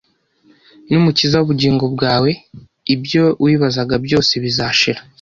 n’umukiza w’ubugingo bwawe ibyo wibazaga byose bizashira